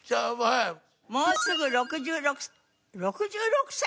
「もうすぐ６６」６６歳！？